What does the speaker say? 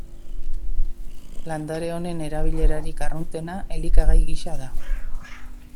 Landare honen erabilerarik arruntena elikagai gisa da.